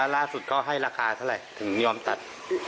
ล่าสุดก็ให้ราคาเท่าไหร่ถึงยอมตัด